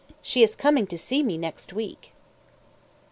She is coming to see me next week.